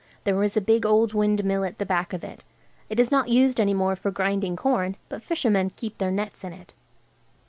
There is a big old windmill at the back of it. It is not used any more for grinding corn, but fishermen keep their nets in it.